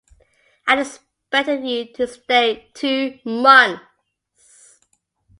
I expected you to stay two months.